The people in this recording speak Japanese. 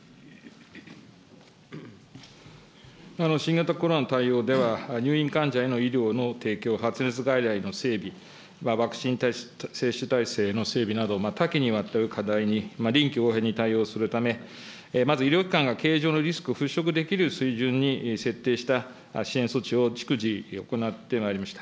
新型コロナの対応では、入院患者への医療の提供、発熱外来の整備、ワクチン接種体制の整備など、多岐にわたる課題に臨機応変に対応するため、まず医療機関が経営上のリスクを払拭できる水準に設定した支援措置を、逐次行ってまいりました。